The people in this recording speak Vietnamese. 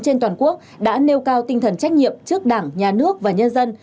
trên toàn quốc đã nêu cao tinh thần trách nhiệm trước đảng nhà nước và nhân dân